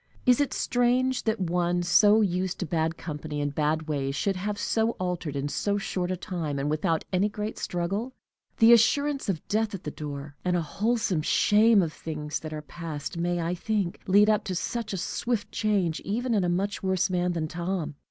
Is it strange that one so used to bad company and bad ways should have so altered, in so short a time, and without any great struggle? The assurance of death at the door, and a wholesome shame of things that are past, may, I think, lead up to such a swift change, even in a much worse man than Tom.